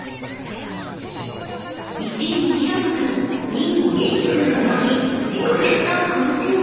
［１位のひろと君２位のげんき君ともに自己ベストを更新］